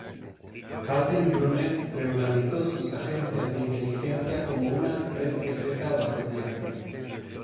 Kaltenbrunner reorganizó sus agencias de inteligencia como una "red secreta bajo tierra".